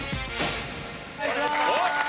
お願いします！